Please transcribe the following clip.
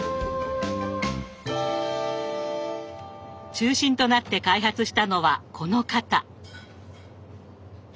中心となって開発したのはこの方。